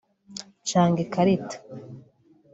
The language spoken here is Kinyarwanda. Canga ikarita